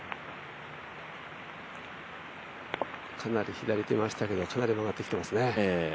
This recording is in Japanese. かなり左に出ましたけどかなり曲がってきてますね。